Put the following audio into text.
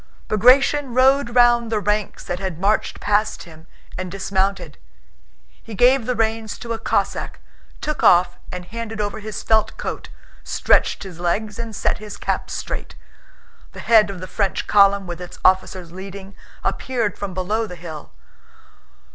Bagratión rode round the ranks that had marched past him and dismounted. He gave the reins to a Cossack, took off and handed over his felt coat, stretched his legs, and set his cap straight. The head of the French column, with its officers leading, appeared from below the hill.